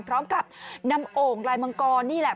พร้อมกับนำโอ่งลายมังกรนี่แหละ